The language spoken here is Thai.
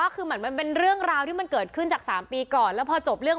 เขาว่ากัน